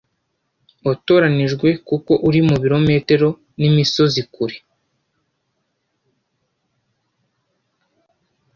watoranijwe kuko uri ibirometero n'imisozi kure